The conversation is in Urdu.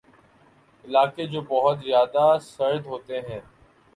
علاقے جو بہت زیادہ سرد ہوتے ہیں